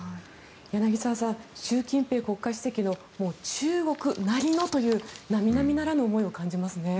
柳澤さん習近平国家主席の中国なりのという並々ならぬ思いを感じますね。